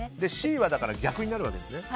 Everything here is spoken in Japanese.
Ｃは逆になるわけですね。